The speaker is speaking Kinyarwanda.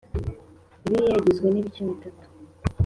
Bibiriya igizwe nibice bitatu